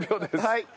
はい。